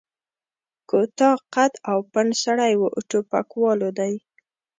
کوتاه قد او پنډ سړی و، ټوپکوالو دی.